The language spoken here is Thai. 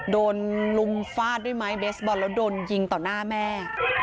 ลุมฟาดด้วยไม้เบสบอลแล้วโดนยิงต่อหน้าแม่